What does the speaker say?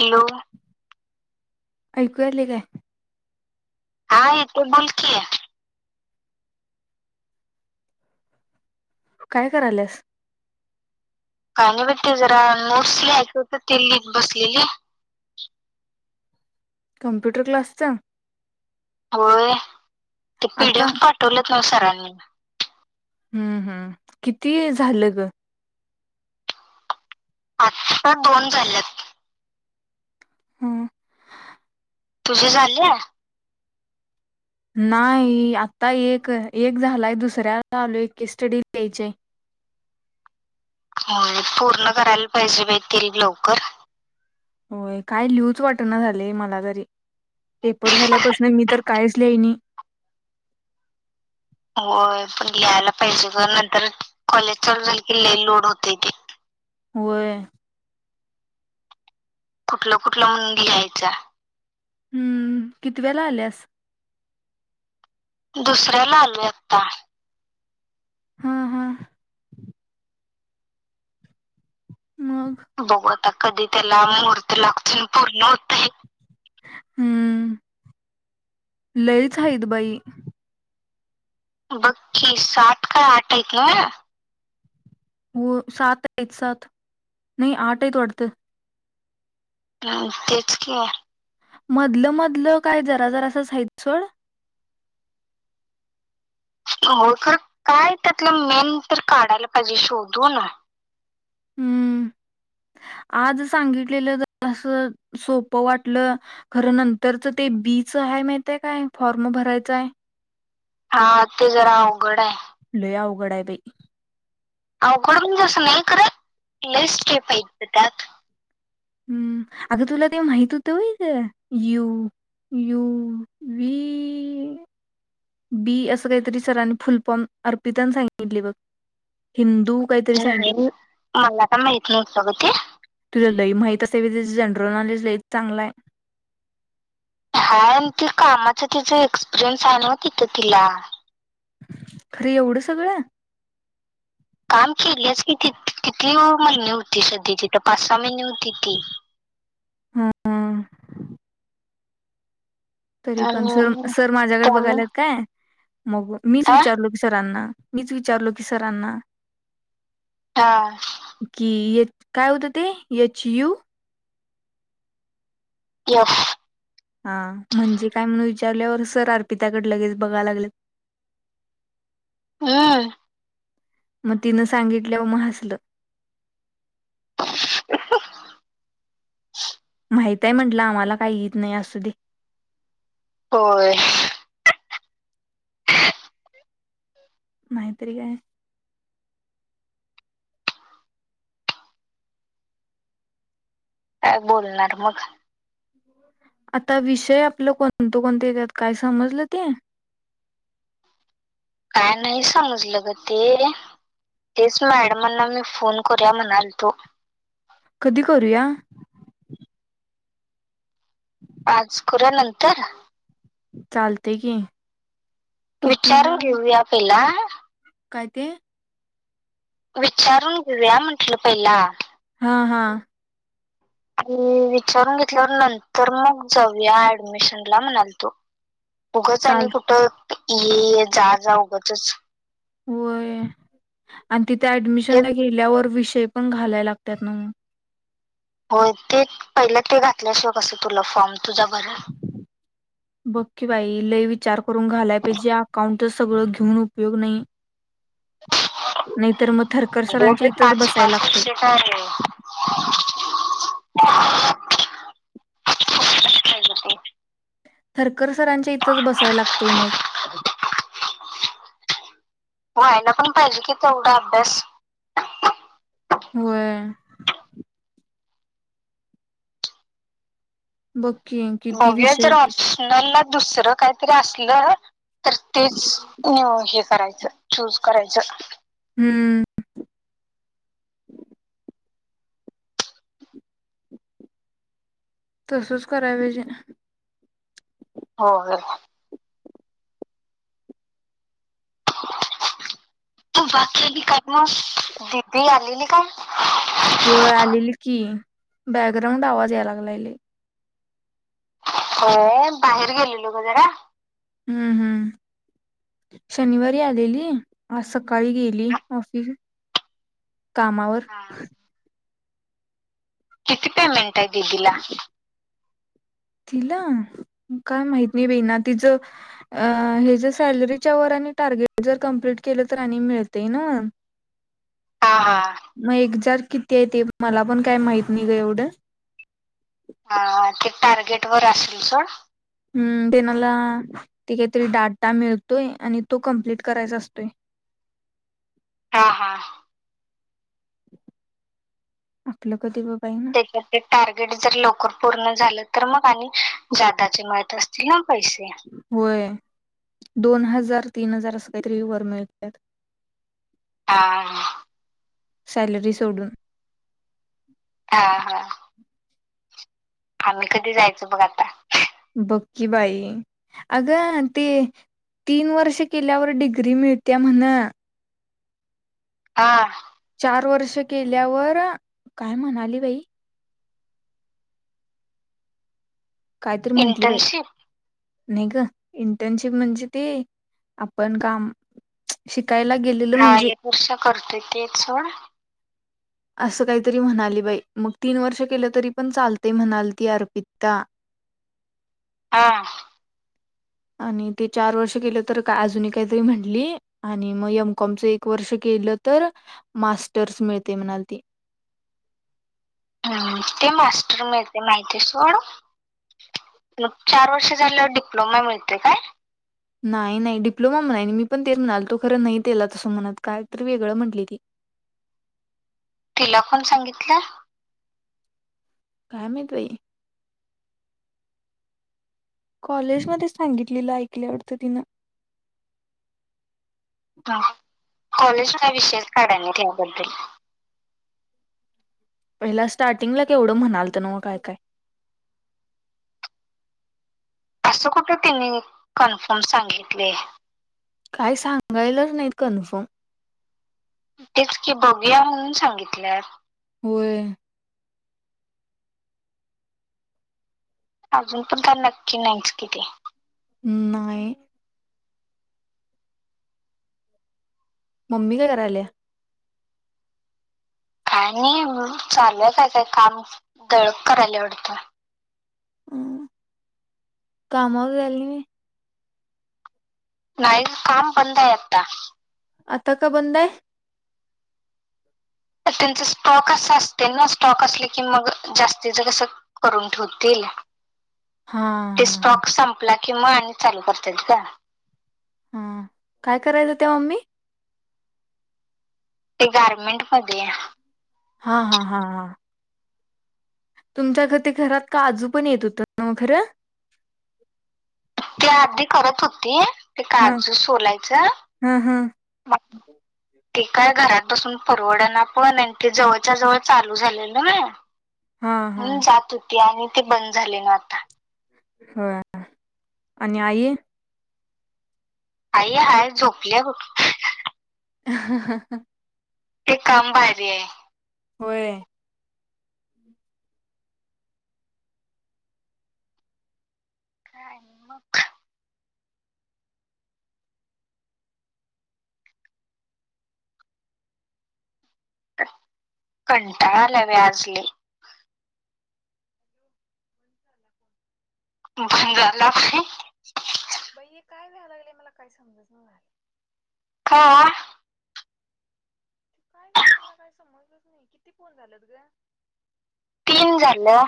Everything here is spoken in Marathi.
हॅलो.. ऐकू आले काय? हा.. येत बोलकी. काय करालस? काही नाही बघ ती जरा नोट्स लिहायच होत ते लिहित बसलेली. कॉम्प्युटर क्लासचा? होय.. ते आता पीडीएफ पाठवलेत ना सरांनी. हम्म.. हम्म. किती झाल ग? आजच तर दोन झालेत. ह्म्म.. तुझ झालेया? नाही. आता एक एक झालाय. दुसऱ्या आलोय एक स्टडी लिहायचीये. पूर्ण करायला पाहिजे बाई ते ही लवकर? होय.. काय लिहूच वाटत ना झालंय घरी? पेपर झाल्यापासन मी तर कायच ल्याहनी. होय.. पण लिहायला पाहिजे ग नंतर कॉलेज चालू झाल की लई लोड होतय तेे. होय.. कुठल कुठल म्हणली ल्यायच? हम्म किती वेला आल्यास दुसऱ्या ला आलू आत्ता हा हा मग तो बत आता कधी त्याला मुहूर्त लागून पूर्ण होतय हम्म लईचईत बाई बकी सात का आठ आहेऐक ना हो सात आहेत सथ नाही आठ आहेत त अडथं ह तेच कि मधलं मधलं काय जरा जरा असं साहित सड हो तर काय त्यातलं मेन तर काढायला पाहिजे शोधू ना हम्म आज सांगितलेलं अस सोपं वाटलं खरं नंतरच ते बीच आहे माहितय काय फॉर्म भरायचंय हा ते जरा अवघड आहे लय अवघड बाई अ कडब दिवस नाहीयक स्टेप हाई त्यात हम् अगं तुला ते माहित होतं होई ग यू यू व बी असं काहीतरी सरांनी फुलपॉम अर्पिताला सांगितले बघ हिंद नाही मला का माहत न सोगते लय माहित असे त्या जनरल नॉलेज लच चांगला आहे हाय ते कामाच तिचा एक्सपिरियन्स आहे ना तिथं तिला खर एवढं सगळं काम केलेच कितीि किती महिने होते सध्या तिथ पाच सहा महिने होती ती हं तरी पण सर आणि सर माझ्याकडे त्यामुळे बघायलात काय मग मीच हा विचारलो की सरांना मीच विचारलो की सरांना हा की ये काय होतं ते यच यू येस हा म्हणजे काय म्हणून विचारल्यावर सर अर्पिताकड लगेच बघाय लागलं हम् मग तिनं सांगितल्या व म हसलं माहितय म्हंटलं आम्हाला काही येत नाही असू दे होय नाहीतरी काय काय बोलणार मग आता विषय आपलं कोणत कोणतेेतत काय समजलं ते काय नाही समजलं ग ते तेच मॅडमांना मी फोन करूया म्हणाल तो कधी करूया आज खुऱ्या नंतर चालते की विचार कितीला येेऊ यापेला काय ते विचारून घेऊया म्हंटलं पहिला हा-हा आणि विचारून घेतल्यावर नंतर मग जाऊया ऍडमिशन ला म्हणाल तो उगच आणि चाल कुठ हे जा जा ऊगचच होय अ तिथ ते ऍडमिशन ला गेल्यावर [unintelligible] ते पण घालाय लागत्यात नव्ह हो ते पहिलं ते घातल्याशिवाय कसं तुला फॉर्म तुझ्या बरर बकी बाई लय विचार करून घालाय पाहिजे अकाउंट तर सगळं घेऊन उपयोग नाही नाहीतर मग थरकर सरांच्या इथंच बसायला लागते. [unintelligible] [unintelligible] थरकर सरांच्या इथंच बसायला लागतय मग व्हायला पण पाहिजे कि तेवढा अभ्यास व्हय बघ की किती बघूया विषय जर ऑप्शनल ना दुसरं काहीतरी असलं तर तेच नू हे करायचं चूज करायचं हम्म तसच कराय पाहिजे हो तू बाकीली काय मग दिदी आलेली काय होय आलेली की बॅकग्राउंड आवाज याय लागलाय व्हय बाहेर गेलेलो ग जरा हम्म हम्म शनिवारी आलेली आज सकाळी गेली ऑफिस कामावर [unintelligible] किती कालं हाय [unintelligible] तिला काय माहत नाही बे ना तिचं हच सॅलरीच्या वर आणि टार्गेट जर कंपलीट केलं तर आणि मिळते ना हा हा मग एक जार किती आहे ते मला पण काय माहत निही ग एवढं हा ते टार्गेट वर असेल सोड हम्म त्यनाला ते काहीतरी डाटा मिळतोय आणि तो कमप्लीट करायचा असतोय हा-हा आपलं कधी बघ त्याच्या टार्गेट जर लवकर पूर्ण झालं तर मग आणि जादाचे मत असतील ना कैसे होय दोन हजार तीन हजार असं काहीतरी वर मिळतत हां हां सॅलरी सोडून हा हा आम्ही कधी जायचं बघ आता बक्की बाई अगं ते तीन वर्ष केल्यावर डिग्री मिळत्या म्हण हा चार वर्ष केल्यावर काय म्हणाली बाई कायतरी म्हंटली बाई इंटर्नशिप नाही ग इंटर्नशिप म्हणजे ते आपण काम शिक ह एक वर्ष करतोय तेच सोड असं काहीतरी म्हणाली बाई मग तीन वर्ष केलं तरी पण चालतय म्हणालती अर्पितता हा आणि ते चार वर्ष केलं तर का अजून काहीतरी म्हटली आणि मग एमकॉमच एक वर्ष केलं तर मास्टर्स मिळतय म्हणाल ती हम् ते मास्टर मिळतेय माहिती सोड म चार वर्ष झाल्यावर डिप्लोमा मिळतय काय नाही नाही डिप्लोमा म्हणा मी पण ते म्हणाल तो खरं नाही तेला तसं म्हणत काय तरी वेगळं म्हटली ती तिला कोण सांगितलं काय म्ह्यत बई कॉलेजमध्येध् सांगितलीलं ऐकल्या वाटतं तिनं ह कॉलेज ह विषेच काढाय नई त्याबद्दल पहिला स्टार्टिंगला केवढं म्हणालत नव्ह काय काय असं कुठ त्यांनी कन्फर्म सांगितलय काय सांगायलाच नाहीत कन्फर्म तेच की बघूया म्हणून सांगितल्यात होय अजून पण काय नक्की नाहीच की ते म्ह न्हाई ममी काय कराल्या काय नाही म चालूय कायचय काम दळप करायल्या वाडत हम काम वर गेल नई होय नाही ग काम बंदाय आत्ता आता का बंदाय त्यांचा स्टॉक असा असते ना स्टॉक असले की मग जास्तीच कसं करून ठेवतील हा ते हा स्टॉक संपला - किंवा आणि चालू करत्यात गं हा काय करायचं ते मम्मी ते गारमेंट मध्ये हा हा हा हा तुमच्या आता घरात काजू पण येत होत न्हव खरं त्या आधी करत होती ते हा काजू सोलायचं हा हा मग ते काय घरात बसून परवडना पण ते जवळच्या जवळ चालू झाले ना हा हा ते आणि ते बंद झाले ना आता हो आणि आई आई हाय झोपल्या बघ ह ह ह ते काम भारी आहे होय काय मग कंटाळा आला बाई आज लई झाला बै काय व्हाय लागलल मला काही समजत नाय का काय झालं मला काय समजलंच नाही किती फोन झालं तुझं तीन झालं